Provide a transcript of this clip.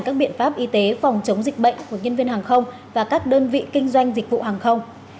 các biện pháp y tế phòng chống dịch bệnh của nhân viên hàng không và các đơn vị kinh doanh dịch vụ hàng không